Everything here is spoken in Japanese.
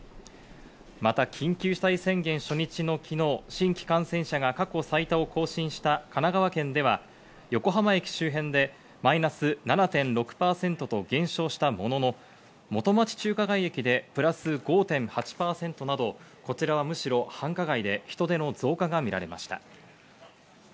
また緊急事態宣言初日の昨日、新規感染者が過去最多を更新した神奈川県では、横浜駅周辺でマイナス７．６％と減少したものの、元町・中華街駅でプラス５．８％など、こちらはむしろ繁華街で人出の増加が見られました。